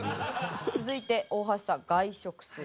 続いて大橋さん外食する。